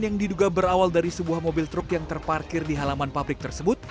yang diduga berawal dari sebuah mobil truk yang terparkir di halaman pabrik tersebut